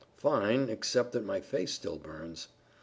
"Fine, except that my face still burns."